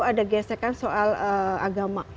ada gesekan soal agama